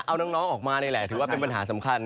เอาน้องออกมานี่แหละถือว่าเป็นปัญหาสำคัญ